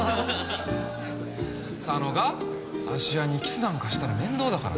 佐野が芦屋にキスなんかしたら面倒だからなあ。